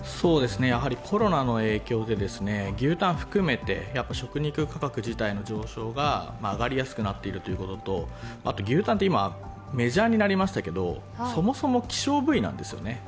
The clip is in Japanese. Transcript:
コロナの影響で牛タン含めて、食肉価格自体、上がりやすくなっているということと、あと牛タンは今、メジャーになっていますがそもそも希少部位なんですよね。